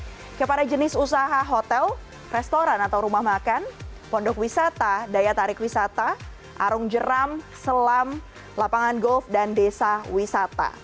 ini kepada jenis usaha hotel restoran atau rumah makan pondok wisata daya tarik wisata arung jeram selam lapangan golf dan desa wisata